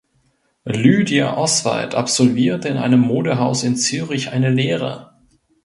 Lydia Oswald absolvierte in einem Modehaus in Zürich eine Lehre.